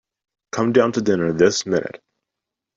Come down to dinner this minute.